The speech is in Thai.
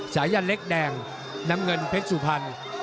สายันเล็กแดงน้ำเงินเพชรสุพรรณ